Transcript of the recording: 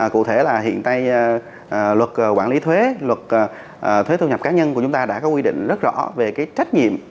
cụ thể là hiện nay luật quản lý thuế luật thuế thu nhập cá nhân của chúng ta đã có quy định rất rõ về cái trách nhiệm